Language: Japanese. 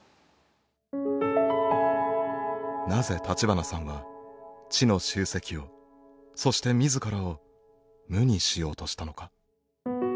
なぜ立花さんは知の集積をそして自らを無にしようとしたのか。